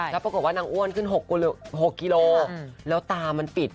แล้วปรากฏว่านางอ้วนขึ้น๖กิโลแล้วตามันปิด